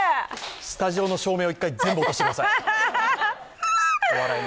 スタジオの照明を全部一回落としてください。